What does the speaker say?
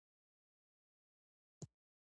رسول الله ﷺ د خلکو ترمنځ انصاف کاوه.